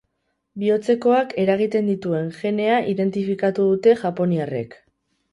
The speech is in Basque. Bihotzekoak eragiten dituen genea identifikatu dute japoniarrek.